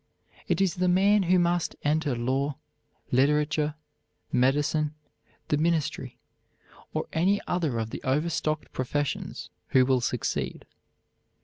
It is the man who must enter law, literature, medicine, the ministry, or any other of the overstocked professions, who will succeed.